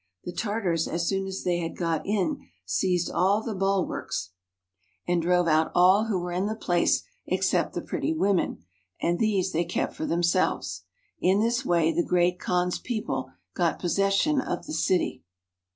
The Tartars as soon as they had got in seized all the bulwarks, and drove VOL. VI. 2 4 TRAVELERS AND EXPLORERS out all who were in the place except the pretty women, and these they kept for themselves. In this way the Great Kaan's people got possession of the city.